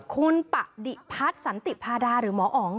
คุณปะดิพัฒน์สันติพาดาหรือหมออ๋อง